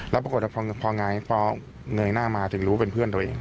แล้วปรากฏพอเงยหน้ามาถึงรู้เป็นเพื่อนตัวเอง